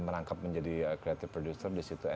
menangkap menjadi creative producer di situ